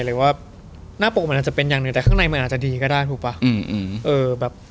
หรือว่าหน้าปกมันอาจจะเป็นอย่างหนึ่งแต่ข้างในมันอาจจะดีก็ได้ถูกป่ะ